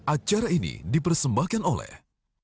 acara ini dipersembahkan oleh